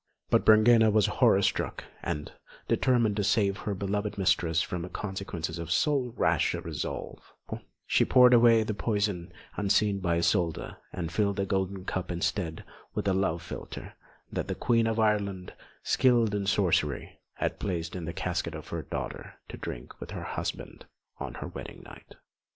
But Brangæna was horror struck; and, determined to save her beloved mistress from the consequences of so rash a resolve, she poured away the poison, unseen by Isolda, and filled the golden cup instead with a love philtre that the Queen of Ireland, skilled in sorcery, had placed in the casket for her daughter to drink with her husband on her wedding night.